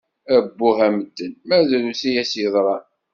Abbuh a medden, ma drus i as-yeḍran.